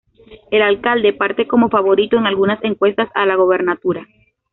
El alcalde parte como favorito en algunas encuestas a la gobernatura.